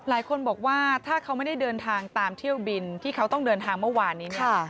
หลายคนบอกว่าถ้าเขาไม่ได้เดินทางตามเที่ยวบินที่เขาต้องเดินทางเมื่อวานนี้เนี่ย